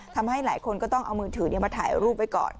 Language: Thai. ทำให้หลายคนก็ต้องเอามือถือมาถ่ายรูปไว้ก่อน